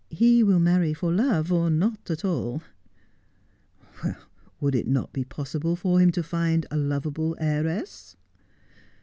He will marry for love 01 not at all.' ' Would it not be possible for him to find a loveable heiress